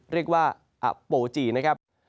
เรียกว่าอโปจีนะครับ